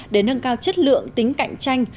để nâng cao chất lượng tính cạnh tranh